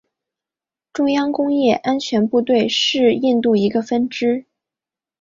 中央工业安全部队是印度一个分支。